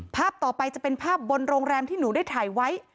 ภาพต่อไปจะเป็นภาพบนโรงแรมที่หนูได้ถ่ายไว้